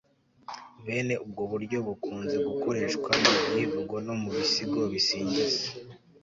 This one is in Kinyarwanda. bene ubwo buryo bukunzegukoreshwa mu byivugo no mu bisigo bisingiza